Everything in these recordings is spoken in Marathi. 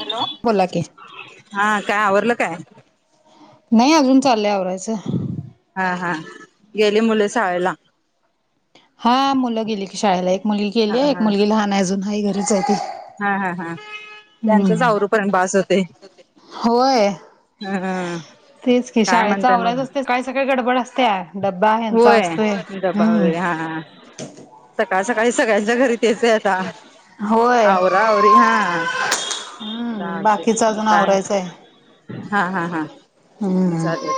हॅलो बोला की हा काय आवरलं काय? नाही अजून चालय आवरायचं हा हा गेली मुल शाळेला? हा मुलं गेली की शाळेला एक मुल हा गेलीय एक हा मुलगी लहान आहे आजून हाय घरीच आहे ती. हा हा हा त्यांचंच हम्म आवरू पर्यंत पण बास होते. होय ह तेच की काय शाळेचा म्हणताय आवराच मग असते काळी सकाळी गडबड असते. डब्बा ह्यांचा असतोय हम्म हा हा सकाळ सकाळी सगळ्यांच्या घरी तेच आता होय आवरावर आवरी होय हो हा हम्म बाकीच अजून काय आवरायचं आहे हा हा हा हम्म चालेल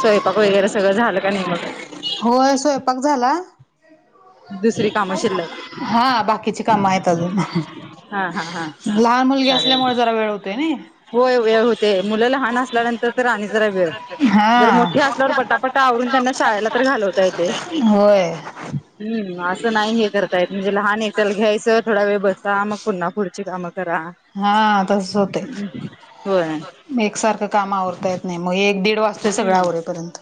स्वयंपाक वगैरे सगळं झालं का नाही होय स्वयंपाक झाला. दुसरी काम शिल्लक आहे. हा बाकीची कामं आहेत अजून हा हा हा लहान मुलगी चालेल असल्यामुळे जरा वेळ होते ना होय वेळ होते मुलाला लहान असल्यानंतर तर आणि जरा वेळ जर हा मोठी असल्यावर पटापटा आवरून त्यांना शाळेला तर घालवता येते. होय हम्म असं नाही हे करत म्हणजे लहान येेतल घ्यायचं थोडा वेळ बसता मग पुन्हा पुढची कामं करा. हा होय होय मग एकसारखं काम आवरता येत नाही मग एक दीड वाजता ते सगळं आवरेपर्यंत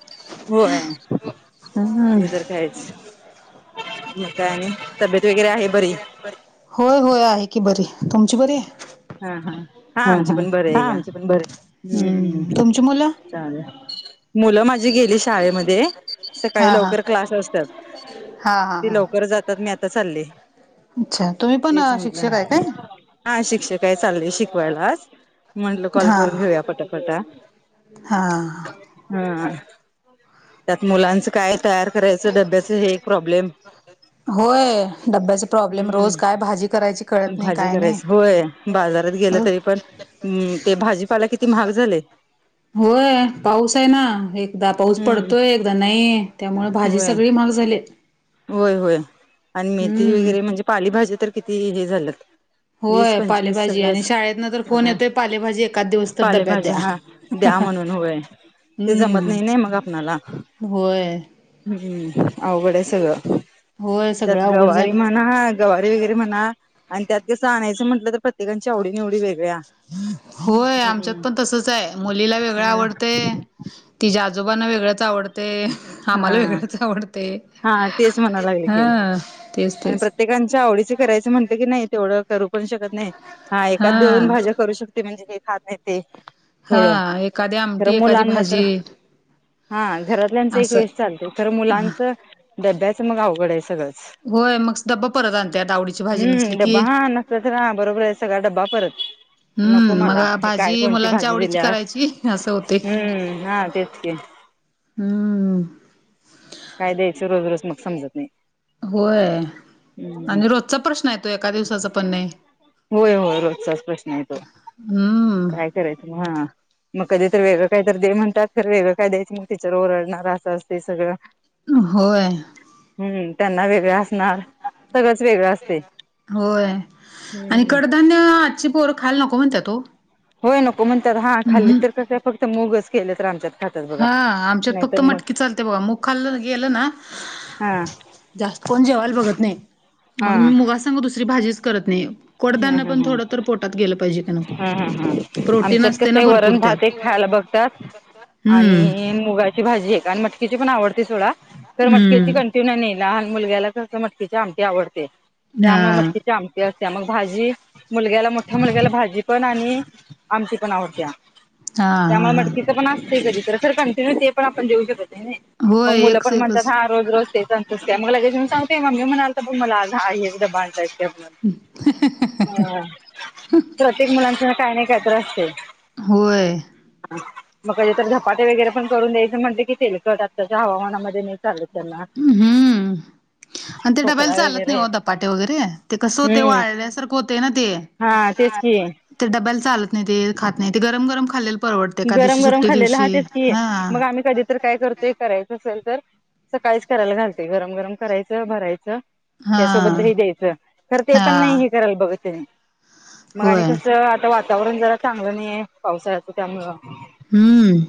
हा काहीच मका आणि तब्येत वगैेरे होय होय आहे की बरी तुमची बरी आहे हा हा हा आमची हा पण बरे हा आहे घ्या आमची पण बरी हाय. हम् हम्म तुमची मुलं? चालेल. मुलं माझी गेली शाळेमध्ये सकाळी हा हा लवकर क्लास असतात हा हा ती हा लवकर जातात मी आता चालले अच्छा तुम्ही पण तेच शिक्षक म्हटलं आहे काय? हा शिक्षक आहे चाललेय शिकवायलाच म्हंटलं कॉल हा करून घेऊया पटापटा हा हम् त्यात मुलांचं काय तयार करायचं डब्याचं हे एक प्रॉब्लेम होय डब्याचे प्रॉब्लेम रोज काय हम्म भाजी करायची कळत नाही भाजी काय नाही करायच होय बाजारात गेलं तरी पण ते भाजीपाला किती महाग झाललय होय पाऊ ऊस आहे ना एकदा पाऊस पडतोय हम्म एकदा नाही त्यामुळे भाजी होय सगळी महाग झाले होय होय आणि मेथी वगैरे म्हणजे पालीभाजी तर किती हे झालेत वीस होय पंचवीस पालेभाजी आणि सगळेच शाळेतन तर फोन ह येतोय पालेभाजी एकाच दिवस तर डब्यात पालेभाज्या द्या. हा द्या म्हणून होय ते जमत हम्म नाही नाही मग आपणाला होय हम्म अवघड हाय सगळं होय सगळं त्यात अवघड गवारी झालं म्हणा गवारी वैगेरे म्हणा आणि त्यात तसं आणायचं म्हटलं तर प्रत्येककांची आवडी निवडी वेग होय, आमच्यात पण तसच हाय मुलीला वेगळं आवडतय तिज्या आजोबांना वेगळंच आवडतय आम्हाला हा वेगळंच आवडतय हा तेच म्हणा लागले की तेच आणि प्रत्य तेच प्रत्येकांच्या आवडीच करायचं म्हणते कि नाय तेवढं करू पण शकत नाही हा एकाच दोन भाज्या करू शकत ते म्हणजे काही खात नाही ते. हा थोडं एखादी आमटी खरं एखादी मुलांना तर भाजी हा घरातल्यांच एक असं वेळेस चालतय खरं मुलांचं डब्याच मग अवघडं हाय सगळं. होय मग डब्बा परत आणत्यात आवडीची भाजी हम्म, नसली की डब्बा हा नसल तर हा बरोबर हाय सगळा डब्बा परत. नको हम्म मग मला हे काय भाजी कोणती मुलांच्या भाजी आवडीची दिल्यास. करायची असं होते हम्म, हा तेच कि हम्म काय द्यायच रोज -रोज मग समजत नाही. होय, हम्म आणि रोजचा प्रश्न हाय त एका दिवसाचा पण नाही, होय होय रोजचाच हम्म करायच म, हा मग कधीतर वेगळं काय तर दे म्हणतात खरं वेगळं काय द्यायचं मग टीचर ओरडणार असं असतय सगळं होय हम्म त्यांना वेगळं असणार सगळंच वेगळं असतय. होय, आणि कडधान्य आजची पोर खायला नको म्हणत्यात ओ. होय नको म्हणत्यात हा खाल्ली अहं तर काय कसं फक्त मुगच केलं तर आमच्यात. खातात बघा. हा आमच्यात नाहीतर फक्त मग मटकी चालते बघा मूग खाल्लं गेलं ना हा जास्त कोण जेवायला बघत नाही, मग मी हा. मुगा संग दुसरी भाजीच करत नाही हा हा कडधान्य हा पण थोडं हा तर पोटात गेलं पाहिजे की नको हा हा प्रोटीन असते ना भरपूर त्यात. त्यात हम्म आणि मुगाची भाजी एक आणि मटकीची पण आवडते सोडा तर मटकीची हम्म ते नाई लहान मुलग्याला कस मटकीचे आमटी आवडते हा त्यामुळे मटकीचे आमटी अस त्या मग भाजी मुलग्याला मोठ्या मुलग्याला भाजी पण आणि आमची पण आवडत्या. हा हा त्यामुळे हा मटकीच पण असतय कधीतर खरं कंटिन्यू ते पण आपण देऊ शकत नई. मग होय मुलं एकच पण म्हणतात एकच हा रोज -रोज तेचं तस त्यामुळं लगेचं सांगतय मम्मी हे म्हणालत बघ मला आज आहे हेच डबा आणतय ते पण हम्म हं ह प्रत्येक मुलांचं काय काही नाही कायतर असतय होय [unintelligible] हा मग क तर धपाटे वगैरे पण करून द्यायचं म्हणते कि ते कत [unintelligible] त्याच्या हवामानामध्ये म चाल त्यांना [unintelligible] हम्म आणि ते डबायला खोकला चालत वगैरे नाही धपाटे वगैरे ते कसं होते हम्म [unintelligible] सारखं होते ना ते हा तेच की ते डब्याला चालत नाही ते गरम गरम खाल्ले [unintelligible] [unintelligible] [unintelligible] [unintelligible] [unintelligible] [unintelligible] गरम गरम खाल्लं ह तेच की मग आम्ही कधी तर काय करतो ते करायचं असेल तर सकाळीच करायला घालते गरम गरम करायचं भरायचं हा त्यासोबतह दही द्यायचं खर ते हा पण नाही करायला बघते मग आणि होय कसं आता वातावरण जरा चांगलं नाही पावसाळ्याचं त्यामुळ हम्म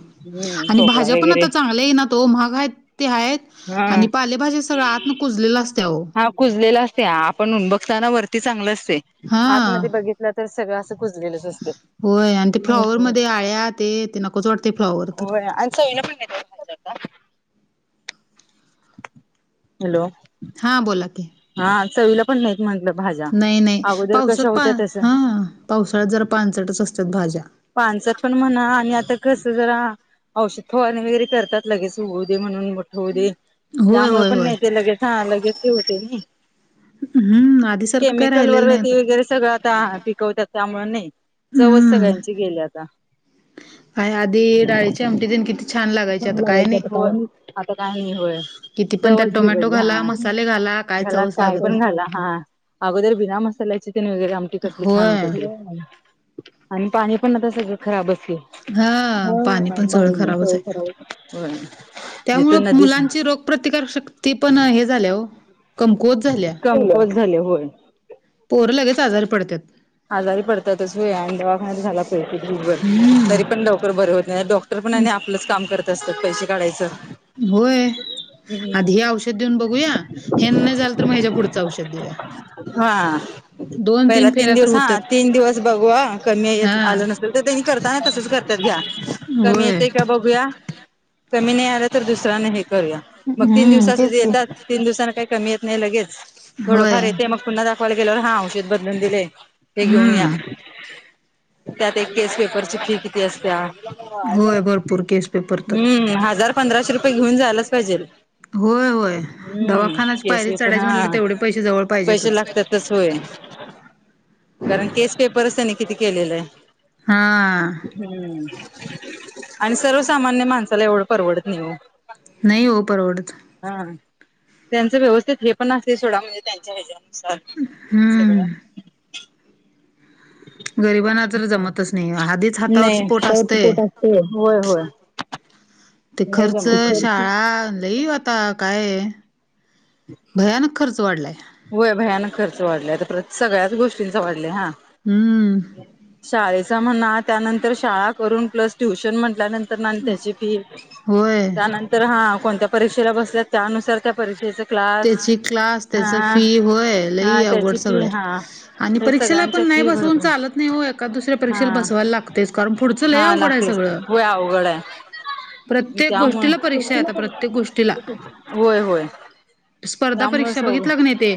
आणि भाज्या पण वगैरे आता चांगल्या येई ना तो महाग आहेत ते आहेत हा आणि पालेभज्या सगळं आ तुन कुजलेला असतेव कुजलेला असते आपण बघताना वरती चांगलं असते हा आात मधे बघितलं तर सगळं असं कुजलेेलंच असं होय आणि ते फ्लॉवर मध्ये आळ्या ते ते नकोच वाटते फ्लॉवर तर आणि सन पण नाही होत का हॅलो हा बोला की हा चवीला पण नाहीत म्हटलं भाज्या. नाही नाही अगोदर पावसात कशा पा होत्या तसं हा पावसाळ्यात ज पांचट च असतात भाज्या पांचट पण म्हणा आणि आता कस जरा औषध थोणे वगैरे करतात लगेच उद म्हणून हो दे होय त्यामुळे होय पण होय नाही ते लगेच लगेच होते ना हम्म आधीसारखं काय केमिकल राहिलेलं नाही वरती आता वगैरे सगळं आता पिकवतात त्यामुळे नाही चवच सगळ हम्म काय आधी डाळीची आमटी देन किती लागायची छान आता काय लागायच नाही आता आता काही नाही होय किती पण त्यात टोमॅटो चवजलीली हा घाला मसाले घाला काय घला चवच काय लागत पण नाही घाला हा अगोदर बिना मसाल्या चिकन वगैरे आमटी कसलं छान होत होय ते आणि पाणी पण आता सगळं खराब असेल हा पाणी पण सगळं खराबच आहे हो जिथ त्यामुळं नदीच मुलांची रोगप्रतिकार शक्ती पण हे झाल्या हो कमकुवत झाल्या कमी झाले होय पोहर लगेच आजार पडतात आजारी पडतात तसू आहे आणि दवाखान्या झाला पाहिभर हम्म तरी पण डॉकर बर होत नाही ड पणाने आपलंच काम करत असतात पैसे काढायचं होय आधी हे औषध देऊन बघूया हे नाही झाल तर मग ह्याच्या पुढचं औषध देऊया ह दोन पहि तीन फेऱ्या दिव तर दिस हा होतात तीन दिवस बघू कमी हा आलं नसेल तर त्यांनी करताना तसच करतात घ्या होय क नाही आ तर दुसऱ हे करू मग तीन हम्म दिव तेच की येतात तीन दिवसांना काही कमी येत नाही लगेच थोडं होय फार येते मग पुन्हा दाखवायला गेल्यावर हा औषध बदलून दिले हे घेऊन या हम्म त्यात एक केस पेपरची फी किती असत्या होय भरपूर केस पेपर तर हम्म हजार पंधराशे रुपये घेऊन जायलाच पाहिजे होय होय हम्म दवाखानाची केश पायरी व पण चढायची हा म्हटलं तेवढे पैसे जवळ पैसे पाहिजेतच लागतातच होय कारण केस पेपरच त्यानी किती केलेला आहे हां हम्म आणि सर्वसामान्य माणसाला एवढं परवडत नाही हो नाही ओ परवडत. हा त्यांचं व्यवस्थित हे पण असतय सोडा म्हणजे त्यांच्या हेज्यावर. सार सगळ हम्म गरिबांना तर जमतच नाही आधीच हातावरच नाही पोट असतय असते. होय होय ते नाही खर्च जमत त्यांना. शाळा लई आता काय भयानक खर्च वाढलाय! होय भयानक खर्च वाढलाय तर प्रत सगळ्याच गोष्टींचा वाढलंय हा. हम्म. शाळेचा म्हणा त्यानंतर शाळा करून प्लस ट्युशन म्हंटल्यानंत तर आणि त्याची फी होय त्यानंतर हा कोणत्या परीक्षेला बसल्या त्यानुसार त्या परीक्षेच तेची क्लास त्याच फी होय लई हा त्याची अवघड फी सगळंय हा आणि हे परीक्षेला पण सगळ्यांच्या नाही फी बसवून भरपूर चालत नाही हो का दुसऱ्या परीक्षेला हा. बसवायला लागतयच कारण पुढच हा लय अवघड आहे लागतेच सगळं होय अवघड आहे प्रत्येक गोष्टीला त्यामुळे परीक्षा हाय अता प्रत्येक गोष्टीला. होय होय. स्पर्धा त्यामुळे परीक्षा सग बघितला क नाही ते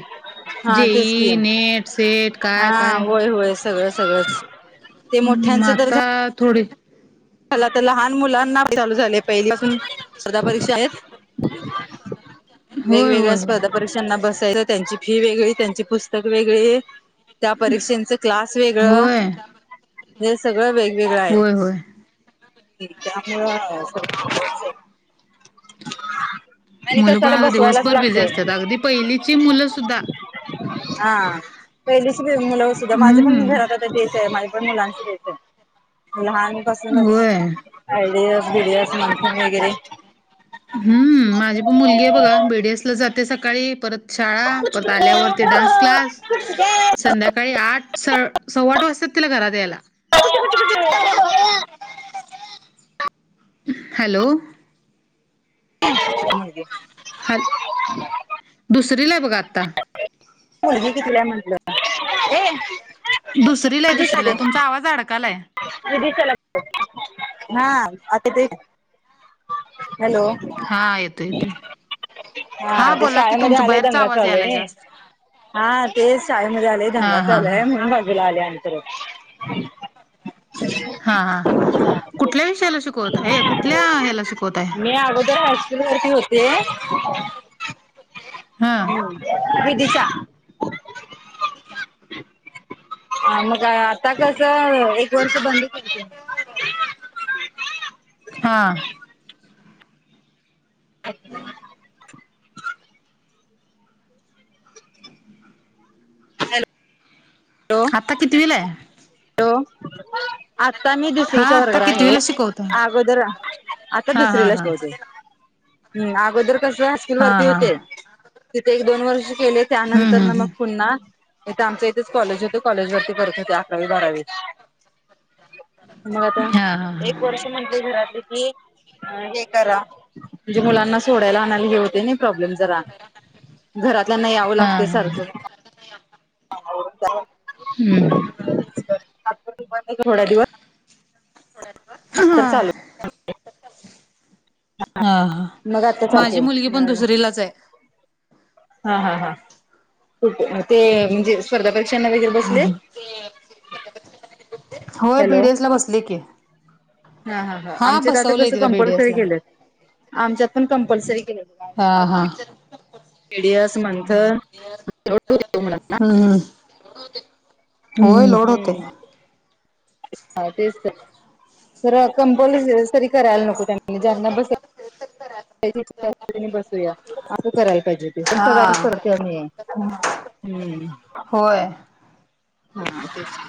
हा जे तेच की ई नेट सेट काय हा काय. होय होय सगळं सगळंच ते हम मोठ्यांच तर माता थोडी झाला त लहान मुलांना चालू झालय पहिलीपासून स्पर्धा परीक्षा आहेत. होय होय वेगवेगळ्या होय स्पर्धा परीक्षांना बसायचं त्यांची फी वेगळी त्यांची पुस्तक वेगळी. त्या परीक्षेचं क्लास वेगळं होय हे सगळं वेगवेगळं आहे. होय होय हे त्यामुळ सगळं [unintelligible] आणि मुलं पण कसाला आता बसवायलाच दिवसभर बिझी लागतय असत्यात अगदी पहिलीची मुलं सुद्धा हा पहिली ची बी मुलं सुद्धा माझी पण हम्म घरात तेच आहे माझ पण मुलांच तेच आहे लहानपासून होय आयडियस बिडियास मंथन वगैरे हम्म माझी पण मुलगी आहे बघा बीडीएस ला जाते सकाळी परत शाळा परत आल्यावर ते डान्स क्लास संध्याकाळी आठ स सव्वाठ वाजताात तिला घरात यायला. [unintelligible] हॅलो. [unintelligible] हल दुसरीलाय बघा आता. पोरगी कितवीला हाय म्हटलं ए दुसरीला आहे विदिशा दुसरीला दे आहे तुमचा आवाज अडकालाय. [unintelligible] हा आता ते - - हॅलो. हा येतोय येतोय हा ते बोला की शाळेमध्ये तुमचा आलेय बाहेरचा दंगा आवाज यायलाय चालूय. जास्त हा तेच शाळेमध्ये आलोय हा दंगा हा चालू हा आय म्हणून बाजूला आले आन परत. हा हा. कुठल्या विषयाला शिकवता हे कुठल्या ह्याला शिकवताय? मी अगोदर हायस्कूल वरती होते हा हम् विदिशा. ह मग आता कस एक वर्ष बंद केलते. हां. [unintelligible] हॅलो. आता कितीविलाय? हॅलो आता मी हा दुसरीच्या आता वर्गावर आहे कितवीला शिकवताय अगोदर आता हा हा दुसरीला हा शिकवते. हम् अगोदर कस स्किल हा वरती हा होते तिथे एक दोन वर्ष केले हम्म त्यानंतर ना हम्म मग हम्म पुन्हा हिथ आमच्या इथच कॉलेज होते कॉलेज वरती परत होते अकरावी बारावी म आता हा एक थोडेसे म्हंटले घरातले की हे करा म्हणजे मुलांना सोडायला आणायला हे होतय नी प्रॉब्लेम जरा घरातल्याना यावं हा हा हा लागतय हा सारखं [unintelligible] हम्म हं [inaudible] थोड्या दिवस थोड्या दिवस तर चालू हा हा हा मग आता चालू माझी केलं. मुलगी पण दुसरीलाच हाय. हा हा हा कुठ ते म्हणजे स्पर्धा परीक्षांना वगैरे बसले. आहो बी हॅलो. डेस ला बसले की हा हा हा आमचे तर आता बसवलंय कंस तिला बीडीएस कंपल्सरी ला. केलेत. आमच्यात पण कंपल्सरी केलेत बघ हा हा टी डी एस मंथनं हम्म [inaudible] होय हम्म लोड होते. हूं काय तेच तर खर कंपसरी करायला नको त्या ज्यांना बसाय सतराचा पहिले त [unintelligible] त्या बसूया. असं करायला पाहिजे ते पण हा सगळच पडते आणि हम्म होय. हा तेच की